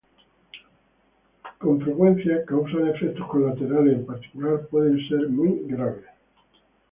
Con frecuencia causan efectos colaterales; en particular, puede ser muy grave.